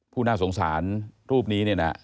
น่าสงสารรูปนี้เนี่ยนะ